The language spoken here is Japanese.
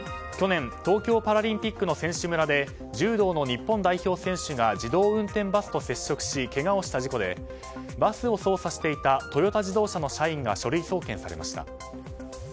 去年東京パラリンピックの選手村で柔道の日本代表選手が自動運転バスと接触しけがをした事故でバスを操作していたトヨタ自動車の社員が書類送検されました。